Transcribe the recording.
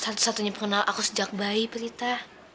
satu satunya pengenal aku sejak bayi prita